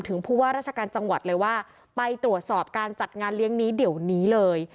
ผู้ว่าราชการจังหวัดเลยว่าไปตรวจสอบการจัดงานเลี้ยงนี้เดี๋ยวนี้เลย